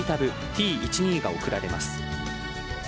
１２が贈られます。